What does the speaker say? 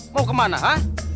mau kemana ha